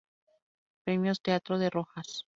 Premios Teatro de Rojas